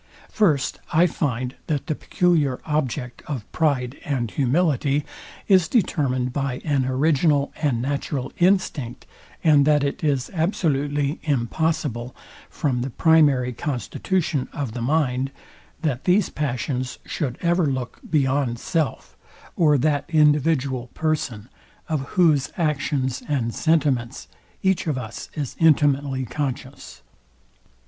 First, I find, that the peculiar object of pride and humility is determined by an original and natural instinct, and that it is absolutely impossible, from the primary constitution of the mind, that these passions should ever look beyond self, or that individual person. of whose actions and sentiments each of us is intimately conscious.